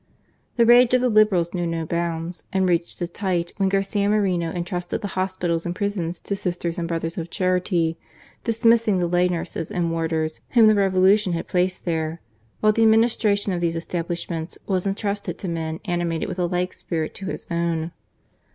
The rage of the Liberals knew no bounds, and reached REFORMS. 113 its height when Garcia Moreno entrusted the hospitals and prisons to Sisters and Brothers of Charity, dismissing the lay nurses and warders whom the Revolution had placed there : while the administration of these establishments was entrusted to men animated with a like spirit to his own.